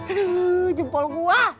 aduh jempol gua